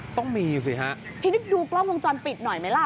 ต้องมีสิฮะทีนี้ดูกล้องวงจรปิดหน่อยไหมล่ะ